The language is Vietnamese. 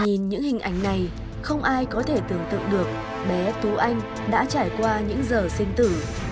nhìn những hình ảnh này không ai có thể tưởng tượng được bé tú anh đã trải qua những giờ sinh tử